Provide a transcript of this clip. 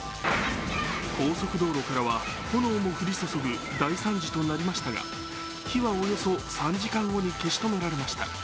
高速道路からは炎も降り注ぐ大惨事となりましたが火はおよそ３時間後に消し止められました。